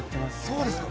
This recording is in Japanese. そうですか。